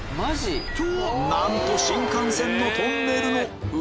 なんと新幹線のトンネルの上